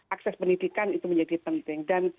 akses pendidikan itu menjadi penting dan